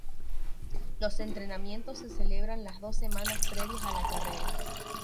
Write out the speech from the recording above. Los entrenamientos se celebran las dos semanas previas a la carrera.